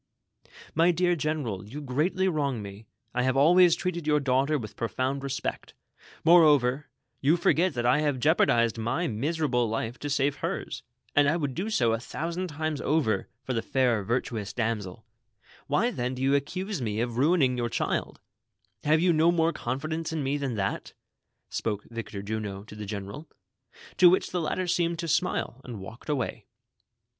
" My dear general, you greatly wrong me, 1 have always treated your daughter with profound respect ; moreover, you forget that I have jeopardized my miserable life to save hers, and I would do so a thousand, tiuies o", er for tlie THE CONSPIRATORS AND LOVERS. 91 fair virtuous damsel ; why, then, do you accuse me of ruining your child, have you no more confidence in me than that V" spoke Victor Juno to the general ; to which the latter seemed to smile and walked away.